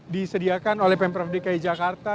disediakan oleh pemprov dki jakarta